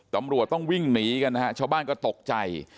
ตำรวจต้องวิ่งหนีกันนะฮะชาวบ้านก็ตกใจ